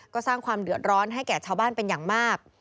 ก็สร้างความเดือดร้อนให้แก่ชาวบ้านเป็นอย่างมาก